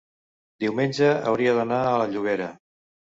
diumenge hauria d'anar a Llobera.